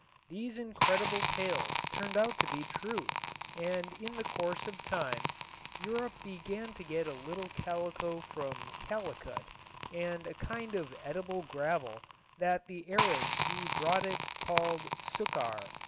These incredible tales turned out to be true and in the course of time Europe began to get a little calico from Calicut and a kind of edible gravel that the Arabs who brought it called "sukkar."